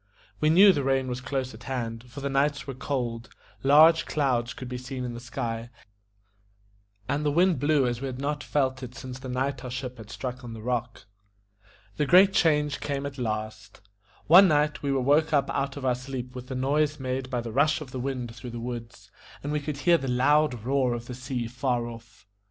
We knew the rain was close at hand, for the nights were cold; large clouds could be seen in the sky, and the wind blew as we had not felt it since the night our ship had struck on the rock. The great change came at last. One night we were woke up out of our sleep with the noise made by the rush of the wind through the woods, and we could hear the loud roar of the sea far off.